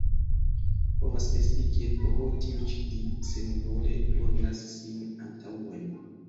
Povas esti, ke pro tio ĉi li senvole turnas sin antaŭen.